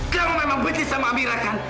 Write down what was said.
kamu memang benci sama amira kan